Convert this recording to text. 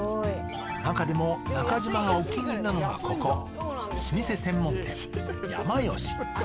中でも中島がお気に入りなのがここ老舗専門店、やまよし。